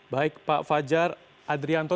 baik pak fajar adrianto